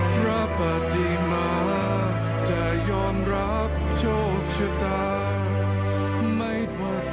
พระปฏิมาจะยอมรับโชคชะตา